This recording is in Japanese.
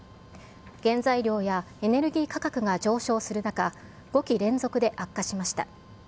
原材料やエネルギー価格が上昇する中、５期連続で悪化しました。